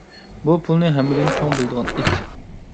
بۇ پۇلنى ھەممىدىن چوڭ بىلىدىغان ئىت.